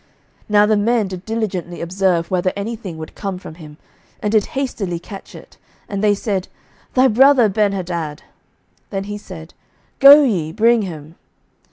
11:020:033 Now the men did diligently observe whether any thing would come from him, and did hastily catch it: and they said, Thy brother Benhadad. Then he said, Go ye, bring him.